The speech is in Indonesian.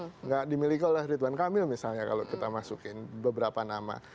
tidak dimiliki oleh ridwan kamil misalnya kalau kita masukin beberapa nama